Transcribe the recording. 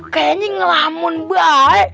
kayanya ngelamun bae